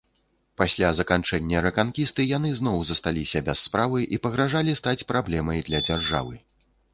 Пасля заканчэння рэканкісты яны зноў засталіся без справы і пагражалі стаць праблемай для дзяржавы.